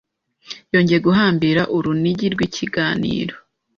Yongeye guhambira urunigi rw'ikiganiro